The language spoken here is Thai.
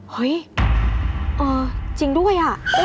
เฮ่ยเอ่อจริงด้วย